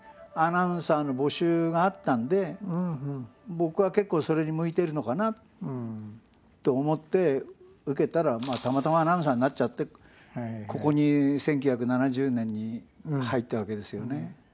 僕は結構それに向いてるのかなと思って受けたらたまたまアナウンサーになっちゃってここに１９７０年に入ったわけですよね。